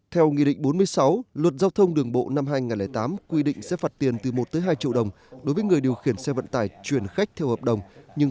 theo nghị định bốn mươi sáu luật giao thông đường bộ năm hai nghìn tám quy định sẽ phạt tiền từ một hai triệu đồng đối với người điều khiển xe vận tải chuyển khách theo hợp đồng